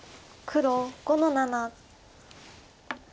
黒５の七。